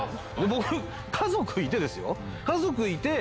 僕家族いてですよ。